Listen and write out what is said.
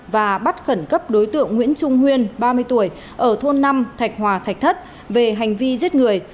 và bắt khẩn cấp đối tượng nguyễn trung huyên ba mươi tuổi ở thôn năm thạch hòa thạch thất về hành vi giết người